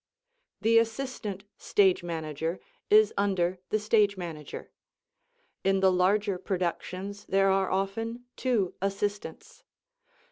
The Assistant Stage Manager is under the Stage Manager. In the larger productions there are often two assistants.